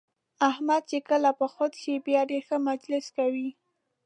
احمد چې کله په خود کې شي بیا ډېر ښه مجلس کوي.